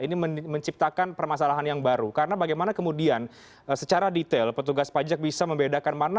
ini menciptakan permasalahan yang baru karena bagaimana kemudian secara detail petugas pajak bisa membedakan mana